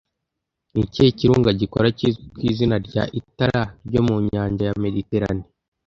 Ni ikihe kirunga gikora kizwi ku izina rya 'itara ryo mu nyanja ya Mediterane'